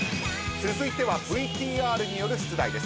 続いてはＶＴＲによる出題です。